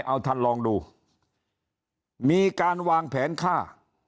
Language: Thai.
เอาท่านลองดูมีการวางแผนฆ่า